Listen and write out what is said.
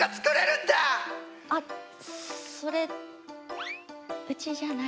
あっそれうちじゃない。